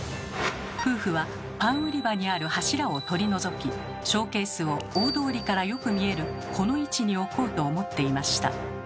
夫婦はパン売り場にある柱を取り除きショーケースを大通りからよく見えるこの位置に置こうと思っていました。